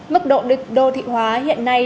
mức độ đồ thị hóa hiện nay